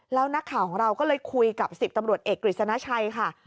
แล้วนักข่าวของเราก็เลยคุยกับ๑๐ตำรวจเอกกฤษณชัยค่ะ